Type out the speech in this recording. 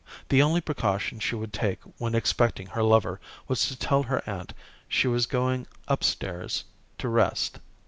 The only precaution she would take when expecting her lover was to tell her aunt she was going upstairs to rest.